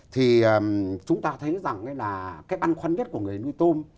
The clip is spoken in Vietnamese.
thì chúng ta thấy rằng là cái băn khoăn nhất của người nuôi tôm